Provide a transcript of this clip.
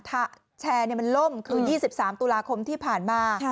ถ้าแชร์มันล่มคือ๒๓ตุลาคมที่ผ่านมา